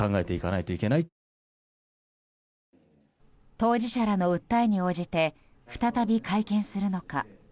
当事者らの訴えに応じて再び会見するのか。